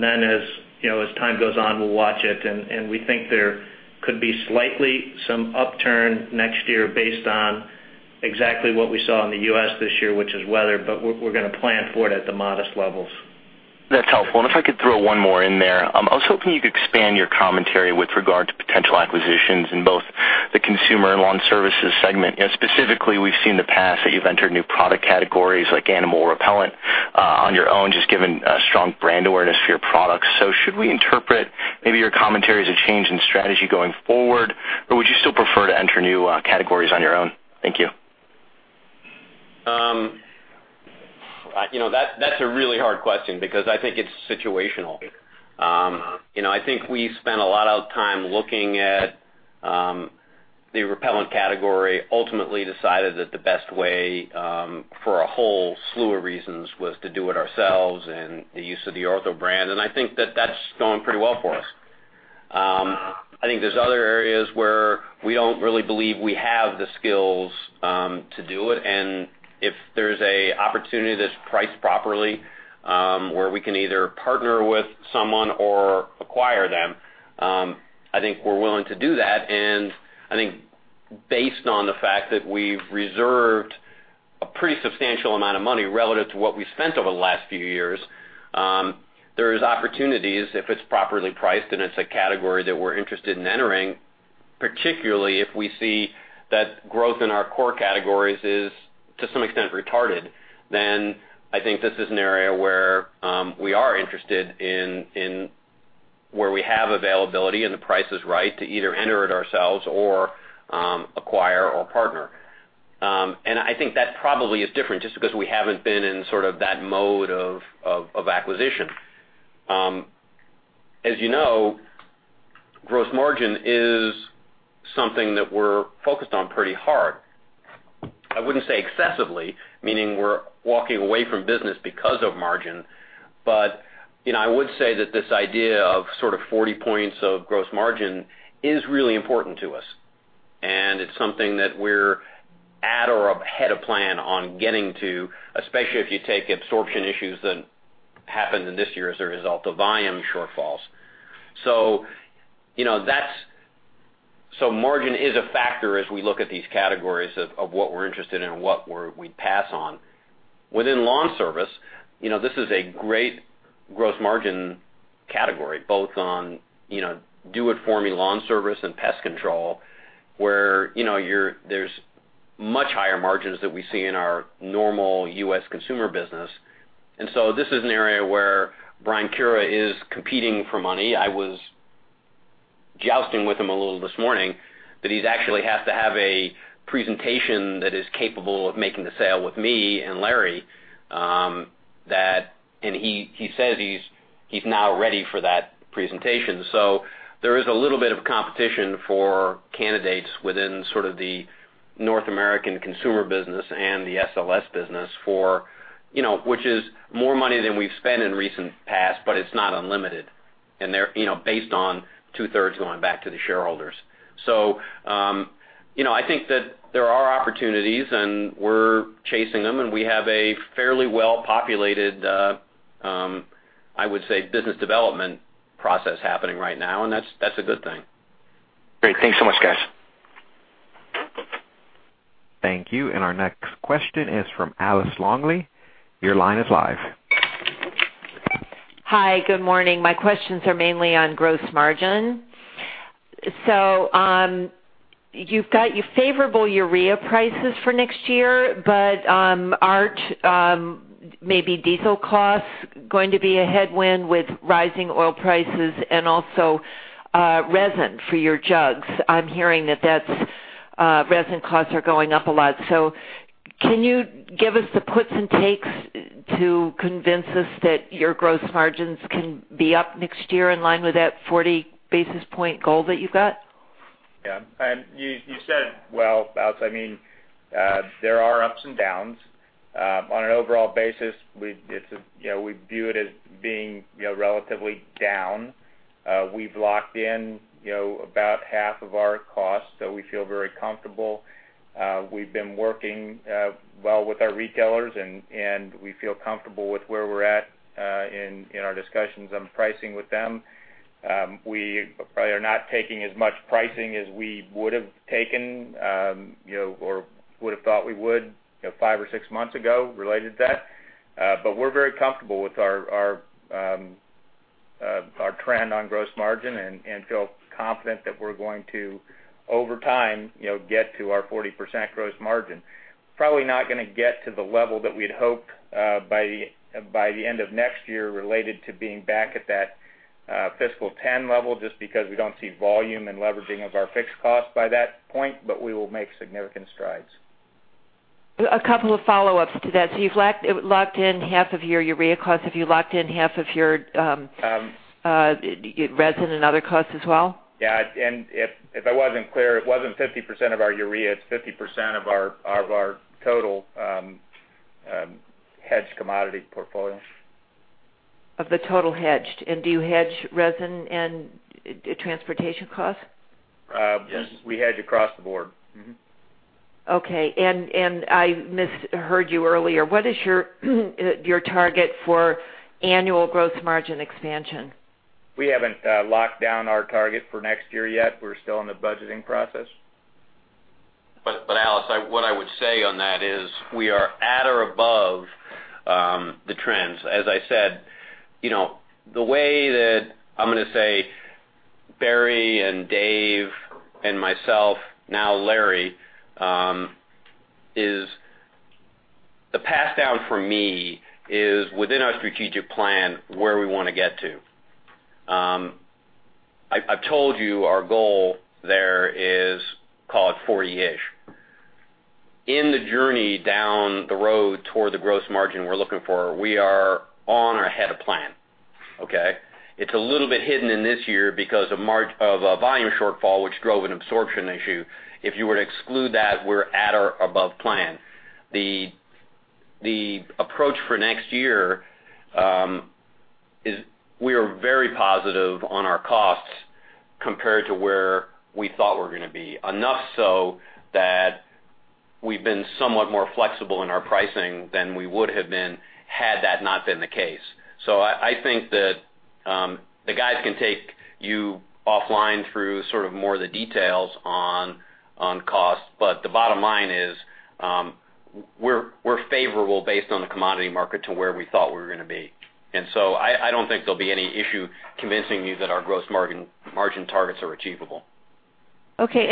time goes on, we'll watch it, and we think there could be slightly some upturn next year based on exactly what we saw in the U.S. this year, which is weather, but we're going to plan for it at the modest levels. That's helpful. If I could throw one more in there. I was hoping you could expand your commentary with regard to potential acquisitions in both the consumer and lawn services segment. Specifically, we've seen in the past that you've entered new product categories like animal repellent on your own, just given strong brand awareness for your products. Should we interpret maybe your commentary as a change in strategy going forward, or would you still prefer to enter new categories on your own? Thank you. That's a really hard question because I think it's situational. I think we spent a lot of time looking at the repellent category, ultimately decided that the best way, for a whole slew of reasons, was to do it ourselves and the use of the Ortho brand. I think that that's going pretty well for us. I think there's other areas where we don't really believe we have the skills to do it. If there's a opportunity that's priced properly, where we can either partner with someone or acquire them, I think we're willing to do that. I think based on the fact that we've reserved a pretty substantial amount of money relative to what we spent over the last few years, there's opportunities if it's properly priced and it's a category that we're interested in entering, particularly if we see that growth in our core categories is, to some extent, retarded, then I think this is an area where we are interested in where we have availability and the price is right to either enter it ourselves or acquire or partner. I think that probably is different just because we haven't been in sort of that mode of acquisition. As you know, gross margin is something that we're focused on pretty hard. I wouldn't say excessively, meaning we're walking away from business because of margin. I would say that this idea of sort of 40 points of gross margin is really important to us, and it's something that we're at or ahead of plan on getting to, especially if you take absorption issues that happened in this year as a result of volume shortfalls. Margin is a factor as we look at these categories of what we're interested in and what we pass on. Within lawn service, this is a great gross margin category, both on do it for me lawn service and pest control, where there's much higher margins that we see in our normal U.S. consumer business. This is an area where Brian Culler is competing for money. I was jousting with him a little this morning that he's actually has to have a presentation that is capable of making the sale with me and Larry. He says he's now ready for that presentation. There is a little bit of competition for candidates within sort of the North American consumer business and the SLS business, which is more money than we've spent in recent past, but it's not unlimited, and based on two-thirds going back to the shareholders. I think that there are opportunities, and we're chasing them, and we have a fairly well-populated, I would say, business development process happening right now, and that's a good thing. Great. Thanks so much, guys. Thank you. Our next question is from Alice Longley. Your line is live. Hi. Good morning. My questions are mainly on gross margin. You've got your favorable urea prices for next year, aren't maybe diesel costs going to be a headwind with rising oil prices and also resin for your jugs? I'm hearing that resin costs are going up a lot. Can you give us the puts and takes to convince us that your gross margins can be up next year in line with that 40 basis point goal that you've got? Yeah. You said well, Alice. There are ups and downs. On an overall basis, we view it as being relatively down. We've locked in about half of our cost, we feel very comfortable. We've been working well with our retailers, we feel comfortable with where we're at in our discussions on pricing with them. We probably are not taking as much pricing as we would have taken, or would have thought we would five or six months ago related to that. We're very comfortable with our trend on gross margin and feel confident that we're going to, over time, get to our 40% gross margin. Probably not gonna get to the level that we'd hoped by the end of next year related to being back at that fiscal 10 level, just because we don't see volume and leveraging of our fixed cost by that point, we will make significant strides. A couple of follow-ups to that. You've locked in half of your urea costs. Have you locked in half of your resin and other costs as well? Yeah. If I wasn't clear, it wasn't 50% of our urea, it's 50% of our total hedged commodity portfolio. Of the total hedged. Do you hedge resin and transportation costs? Yes. We hedge across the board. Okay. I misheard you earlier. What is your target for annual gross margin expansion? We haven't locked down our target for next year yet. We're still in the budgeting process. Alice, what I would say on that is we are at or above the trends. As I said, the way that I'm gonna say Barry Sanders and Dave Swihart and myself, now Larry Hilsheimer, is the pass down for me is within our strategic plan, where we wanna get to. I've told you our goal there is, call it 40-ish. In the journey down the road toward the gross margin we're looking for, we are on or ahead of plan. Okay? It's a little bit hidden in this year because of a volume shortfall, which drove an absorption issue. If you were to exclude that, we're at or above plan. The approach for next year is we are very positive on our costs compared to where we thought we were going to be. Enough so that we've been somewhat more flexible in our pricing than we would have been had that not been the case. I think that the guys can take you offline through sort of more of the details on costs, but the bottom line is we're favorable based on the commodity market to where we thought we were going to be. I don't think there'll be any issue convincing you that our gross margin targets are achievable. Okay,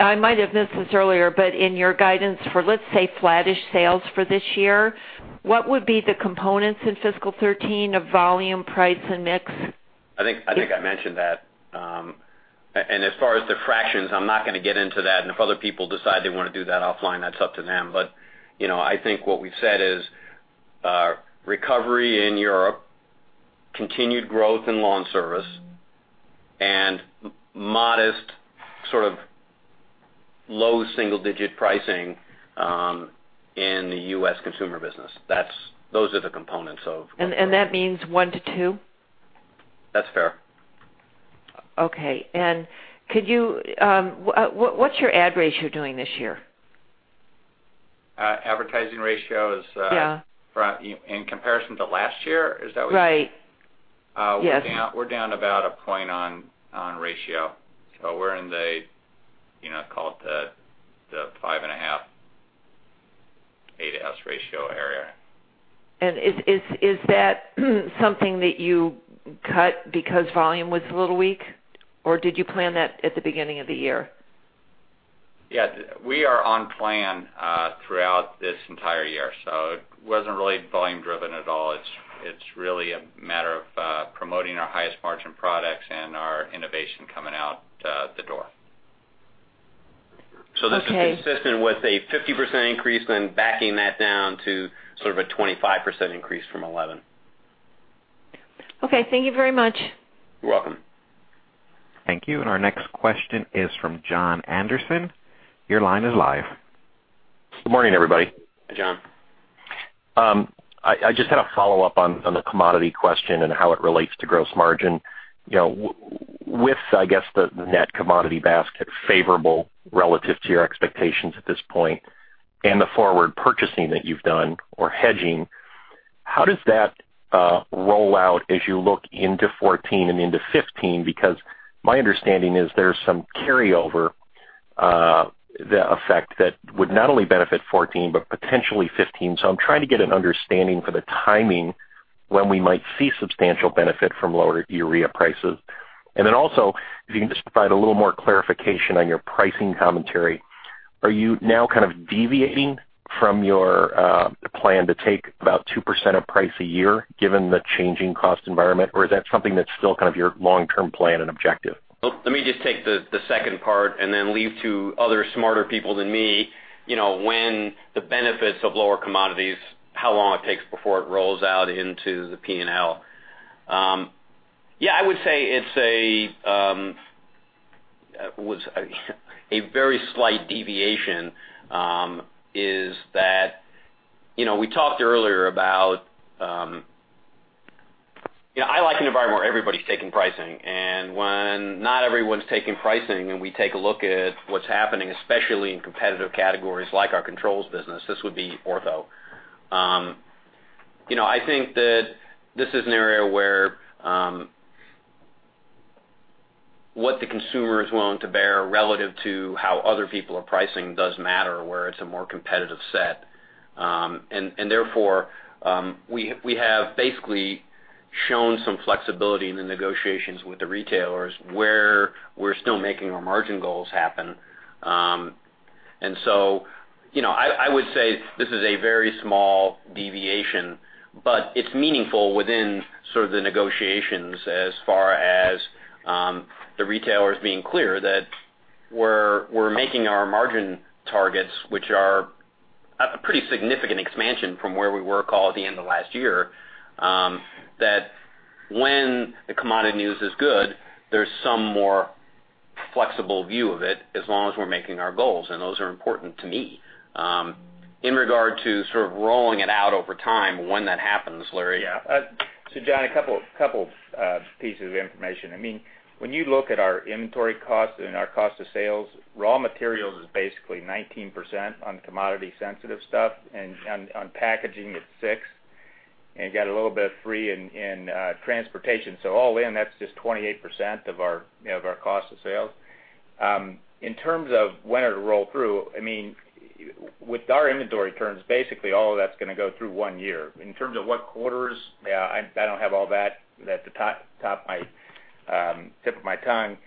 I might have missed this earlier, but in your guidance for let's say flattish sales for this year, what would be the components in FY 2013 of volume, price, and mix? I think I mentioned that. As far as the fractions, I'm not going to get into that, and if other people decide they want to do that offline, that's up to them. I think what we've said is recovery in Europe, continued growth in lawn service, and modest sort of low single-digit pricing in the U.S. consumer business. Those are the components of- That means one to two? That's fair. Okay. What's your ad ratio doing this year? Advertising ratio Yeah in comparison to last year, is that what you mean? Right. Yes. We're down about one point on ratio. We're in the, call it the 5.5, 8 as ratio area. Is that something that you cut because volume was a little weak, or did you plan that at the beginning of the year? Yeah, we are on plan throughout this entire year, so it wasn't really volume driven at all. It's really a matter of promoting our highest margin products and our innovation coming out the door. This is consistent with a 50% increase, then backing that down to sort of a 25% increase from 11. Okay. Thank you very much. You're welcome. Thank you. Our next question is from Jon Andersen. Your line is live. Good morning, everybody. Hey, Jon. I just had a follow-up on the commodity question and how it relates to gross margin. With, I guess the net commodity basket favorable relative to your expectations at this point and the forward purchasing that you've done or hedging, how does that roll out as you look into 2014 and into 2015? My understanding is there's some carryover, the effect that would not only benefit 2014 but potentially 2015. I'm trying to get an understanding for the timing when we might see substantial benefit from lower urea prices. Also, if you can just provide a little more clarification on your pricing commentary. Are you now kind of deviating from your plan to take about 2% of price a year, given the changing cost environment, or is that something that's still kind of your long-term plan and objective? Let me just take the second part and then leave to other smarter people than me when the benefits of lower commodities, how long it takes before it rolls out into the P&L. Yeah, I would say it's a very slight deviation, is that we talked earlier about I like an environment where everybody's taking pricing, and when not everyone's taking pricing, and we take a look at what's happening, especially in competitive categories like our controls business, this would be Ortho. I think that this is an area where what the consumer is willing to bear relative to how other people are pricing does matter, where it's a more competitive set. We have basically shown some flexibility in the negotiations with the retailers where we're still making our margin goals happen. I would say this is a very small deviation, but it's meaningful within sort of the negotiations as far as the retailers being clear that we're making our margin targets, which are a pretty significant expansion from where we were, call it the end of last year, that when the commodity news is good, there's some more flexible view of it, as long as we're making our goals. Those are important to me. In regard to sort of rolling it out over time, when that happens, Larry? Yeah. Jon, a couple pieces of information. When you look at our inventory cost and our cost of sales, raw materials is basically 19% on commodity sensitive stuff, and on packaging it's 6%, and you got a little bit of 3% in transportation. All in, that's just 28% of our cost of sales. In terms of when it will roll through, with our inventory turns, basically all of that's going to go through one year. In terms of what quarters, I don't have all that at the top tip of my tongue.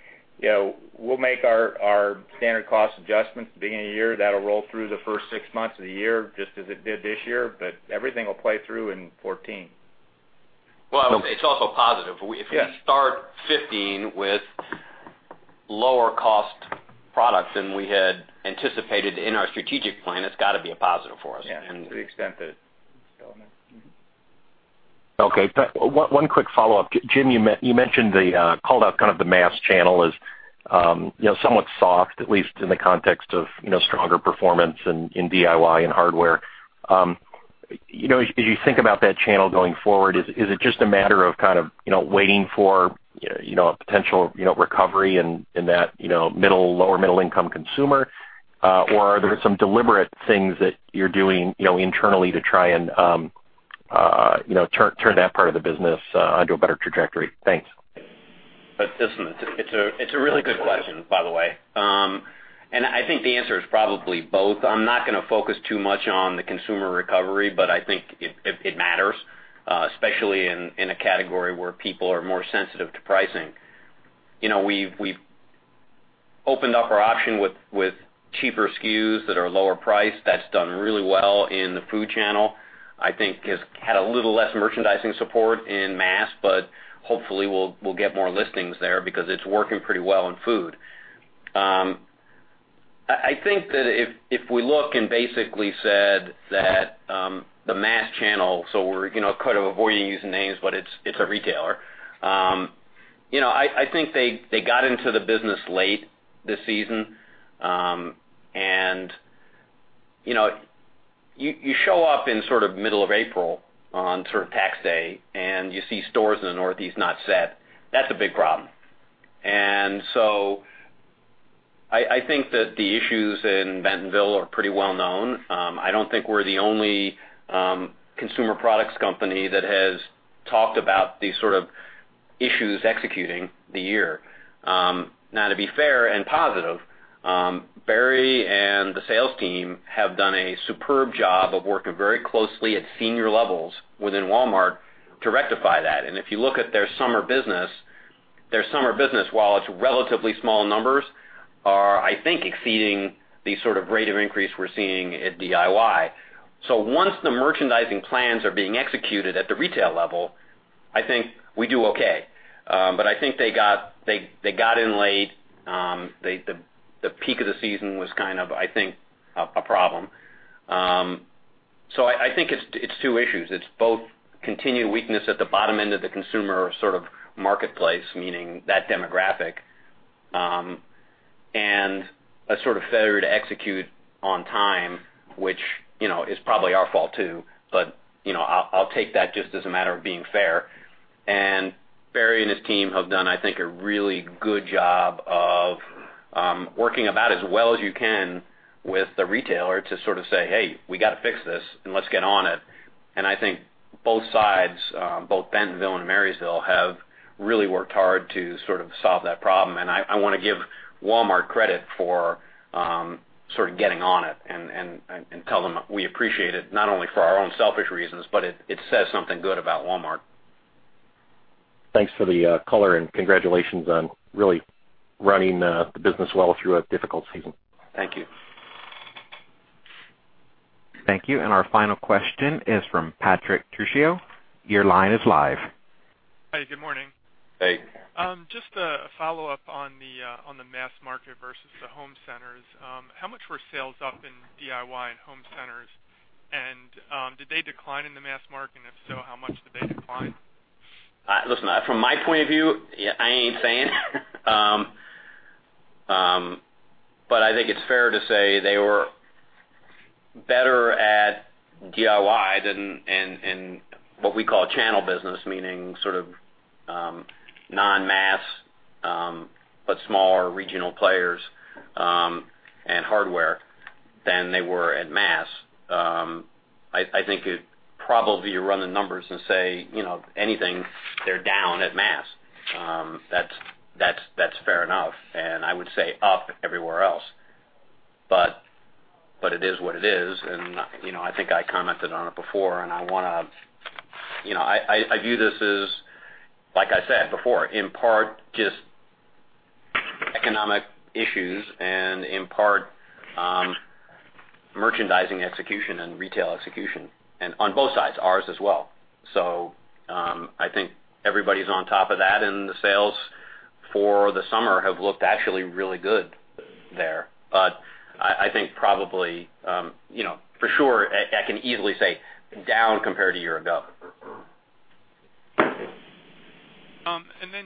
We'll make our standard cost adjustments at the beginning of the year. That'll roll through the first six months of the year, just as it did this year, but everything will play through in 2014. Well, it's also positive. Yeah. If we start 2015 with lower cost products than we had anticipated in our strategic plan, it's got to be a positive for us. Yeah, to the extent that it's relevant. Okay. One quick follow-up. Jim, you mentioned called out the mass channel as somewhat soft, at least in the context of stronger performance in DIY and hardware. As you think about that channel going forward, is it just a matter of waiting for a potential recovery in that lower middle-income consumer? Or are there some deliberate things that you're doing internally to try and turn that part of the business onto a better trajectory? Thanks. Listen, it's a really good question, by the way. I think the answer is probably both. I'm not going to focus too much on the consumer recovery, but I think it matters, especially in a category where people are more sensitive to pricing. We've opened up our option with cheaper SKUs that are lower priced. That's done really well in the food channel. I think has had a little less merchandising support in mass, but hopefully, we'll get more listings there because it's working pretty well in food. I think that if we look and basically said that the mass channel, so we're kind of avoiding using names, but it's a retailer. I think they got into the business late this season. You show up in sort of middle of April on sort of tax day, and you see stores in the Northeast not set. That's a big problem. I think that the issues in Bentonville are pretty well known. I don't think we're the only consumer products company that has talked about these sort of issues executing the year. Now, to be fair and positive, Barry and the sales team have done a superb job of working very closely at senior levels within Walmart to rectify that. If you look at their summer business, while it's relatively small numbers, are, I think, exceeding the sort of rate of increase we're seeing at DIY. Once the merchandising plans are being executed at the retail level, I think we do okay. I think they got in late. The peak of the season was kind of, I think, a problem. I think it's two issues. It's both continued weakness at the bottom end of the consumer sort of marketplace, meaning that demographic, and a sort of failure to execute on time, which is probably our fault too, but I'll take that just as a matter of being fair. Barry and his team have done, I think, a really good job of working about as well as you can with the retailer to sort of say, "Hey, we got to fix this and let's get on it." I think both sides, both Bentonville and Marysville, have really worked hard to sort of solve that problem. I want to give Walmart credit for sort of getting on it and tell them we appreciate it, not only for our own selfish reasons, but it says something good about Walmart. Thanks for the color and congratulations on really running the business well through a difficult season. Thank you. Thank you. Our final question is from Patrick Trucchio. Your line is live. Hi, good morning. Hey. Just a follow-up on the mass market versus the home centers. How much were sales up in DIY and home centers? Did they decline in the mass market? If so, how much did they decline? Listen, from my point of view, I ain't saying. I think it's fair to say they were better at DIY than in what we call channel business, meaning sort of non-mass, but smaller regional players, and hardware than they were at mass. I think it probably run the numbers and say, I think they're down at mass. That's fair enough, and I would say up everywhere else. It is what it is, and I think I commented on it before, and I view this as, like I said before, in part, just economic issues and in part merchandising execution and retail execution, and on both sides, ours as well. I think everybody's on top of that, and the sales for the summer have looked actually really good there. I think probably, for sure, I can easily say down compared to a year ago.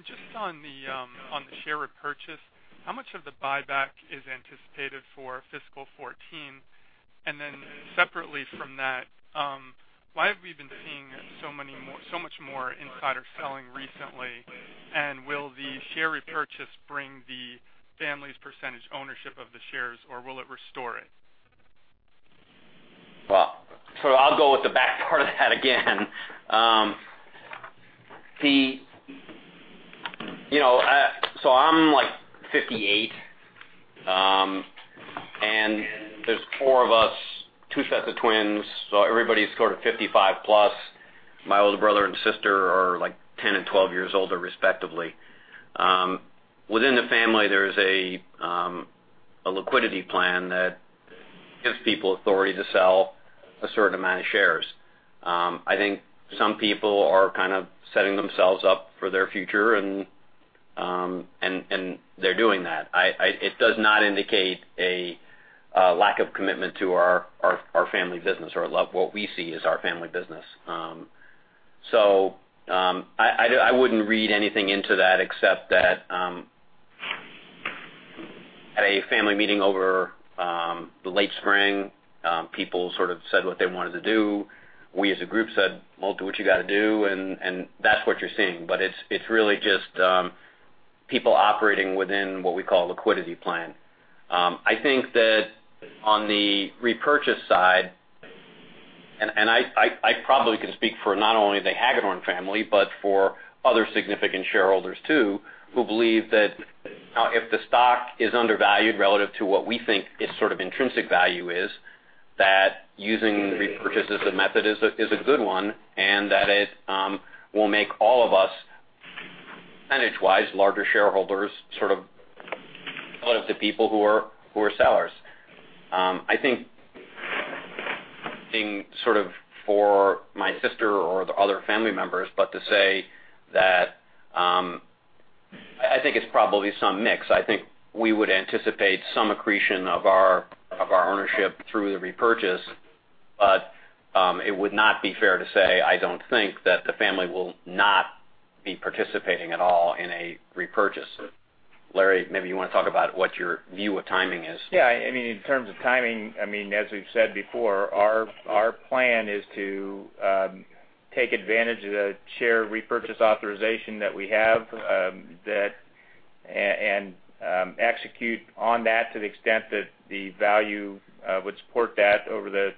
Just on the share repurchase, how much of the buyback is anticipated for fiscal 2014? Separately from that, why have we been seeing so much more insider selling recently? Will the share repurchase bring the family's percentage ownership of the shares, or will it restore it? I'll go with the back part of that again. I'm 58. There's four of us, two sets of twins. Everybody's sort of 55 plus. My older brother and sister are 10 and 12 years older, respectively. Within the family, there is a liquidity plan that gives people authority to sell a certain amount of shares. I think some people are kind of setting themselves up for their future. They're doing that. It does not indicate a lack of commitment to our family business or what we see as our family business. I wouldn't read anything into that except that at a family meeting over the late spring, people sort of said what they wanted to do. We, as a group, said, "Well, do what you got to do," and that's what you're seeing. It's really just people operating within what we call liquidity plan. I think that on the repurchase side, and I probably can speak for not only the Hagedorn family, but for other significant shareholders too, who believe that if the stock is undervalued relative to what we think its sort of intrinsic value is, that using repurchase as a method is a good one, and that it will make all of us, percentage-wise, larger shareholders, sort of relative to people who are sellers. I think speaking sort of for my sister or the other family members, to say that I think it's probably some mix. I think we would anticipate some accretion of our ownership through the repurchase. It would not be fair to say, I don't think, that the family will not be participating at all in a repurchase. Larry, maybe you want to talk about what your view of timing is. In terms of timing, as we've said before, our plan is to take advantage of the share repurchase authorization that we have and execute on that to the extent that the value would support that over the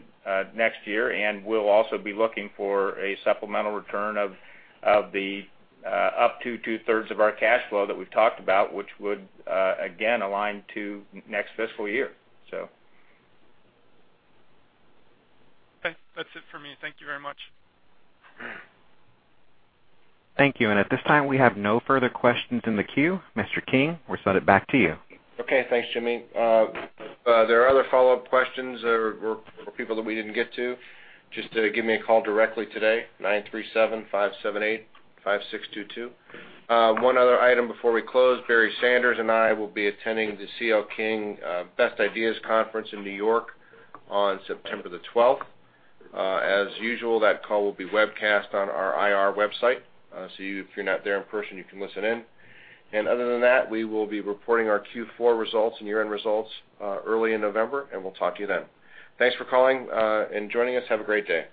next year. We'll also be looking for a supplemental return of the up to two-thirds of our cash flow that we've talked about, which would, again, align to next fiscal year. That's it for me. Thank you very much. Thank you. At this time, we have no further questions in the queue. Mr. King, we'll send it back to you. Okay. Thanks, Jimmy. If there are other follow-up questions or people that we didn't get to, just give me a call directly today, 937-578-5622. One other item before we close, Barry Sanders and I will be attending the C.L. King Best Ideas Conference in New York on September the 12th. As usual, that call will be webcast on our IR website. If you're not there in person, you can listen in. Other than that, we will be reporting our Q4 results and year-end results early in November, and we'll talk to you then. Thanks for calling and joining us. Have a great day.